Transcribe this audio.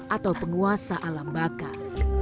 atau penguasa alam bakar